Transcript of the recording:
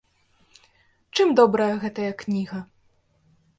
Чым добрая гэтая кніга?